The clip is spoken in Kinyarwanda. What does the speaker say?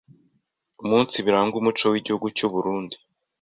umunsi biranga umuco w’igihugu cy’u Burunndi,